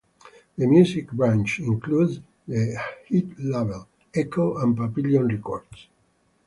The music branch includes The Hit Label, Echo and Papillon Records.